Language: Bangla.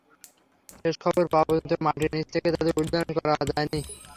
শেষ খবর পাওয়া পর্যন্ত মাটির নিচ থেকে তাঁদের উদ্ধার করা যায়নি।